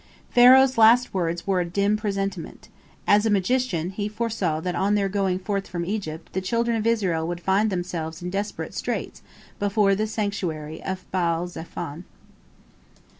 Pharaoh's last words were a dim presentiment. As a magician he foresaw that on their going forth from Egypt the children of Israel would find themselves in desperate straits before the sanctuary of Baal zephon.